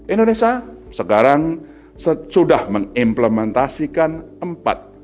indonesia sekarang sudah mengimplementasikan empat